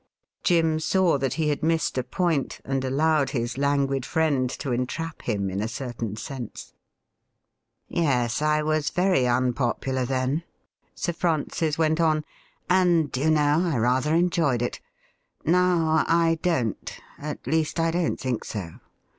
Jim saw that he had missed a point, and allowed his languid friend to entrap him in a certain sense. 138 THE RIDDLE RING ' Yes, I was very unpopular then,' Sir Francis went on ;' and, do you know, I rather enjoyed it. Now I don't— at least, I don't think so.